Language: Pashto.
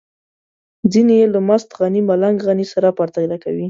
ځينې يې له مست غني ملنګ غني سره پرتله کوي.